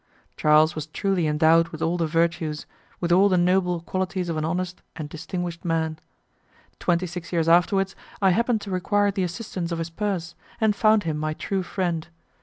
Charles was truly endowed with all the virtues, with all the noble qualities of an honest and distinguished man. Twenty six years afterwards I happened to require the assistance of his purse, and found him my true friend.